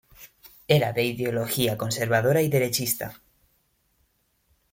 Era de ideología conservadora y derechista.